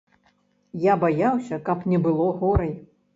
Я баяўся, каб не было горай.